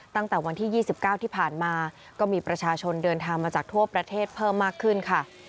ตั้งแต่วันที่๒๙ที่ผ่านมาก็มีประชาชนเดินทางมาจากทั่วประเทศเพิ่มมากขึ้นค่ะ